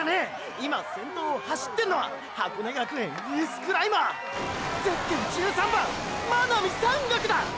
今先頭を走ってんのは箱根学園エースクライマーゼッケン１３番真波山岳だ！！